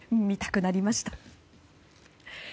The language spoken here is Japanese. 見たくなりました。